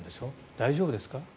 大丈夫ですか。